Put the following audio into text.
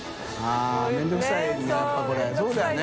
◆舛面倒くさいよねやっぱこれそうだよね。